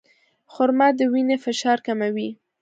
خرما د وینې فشار کموي.